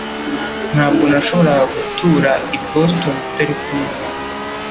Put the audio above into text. Ntabwo nashoboraga gutura i Boston utari kumwe nawe